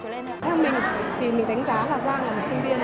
theo mình thì mình đánh giá là giang là một sinh viên